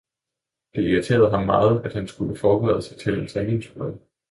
Det irriterede ham meget, at han skulle forberede sig til en terminsprøve.